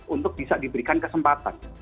untuk bisa diberikan kesempatan